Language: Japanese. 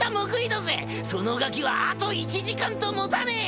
そのガキはあと１時間と持たねえ！